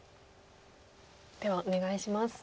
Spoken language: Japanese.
ではお願いします。